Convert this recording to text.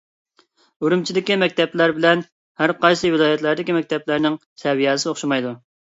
ئۈرۈمچىدىكى مەكتەپلەر بىلەن ھەر قايسى ۋىلايەتلەردىكى مەكتەپلەرنىڭ سەۋىيەسى ئوخشىمايدۇ.